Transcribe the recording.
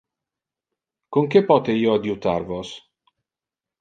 Con que pote io adjutar vos?